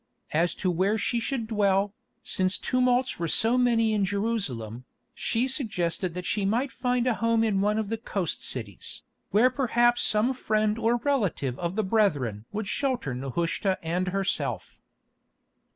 As to where she should dwell, since tumults were so many in Jerusalem, she suggested that she might find a home in one of the coast cities, where perhaps some friend or relative of the brethren would shelter Nehushta and herself.